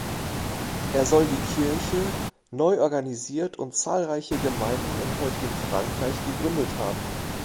Er soll die Kirche neu organisiert und zahlreiche Gemeinden im heutigen Frankreich gegründet haben.